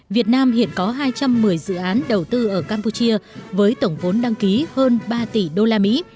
việt nam hiện có hai trăm một mươi dự án đầu tư ở campuchia với tổng vốn đăng ký hơn ba tỷ đô la mỹ